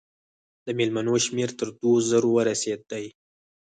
د مېلمنو شمېر تر دوو زرو ورسېدی.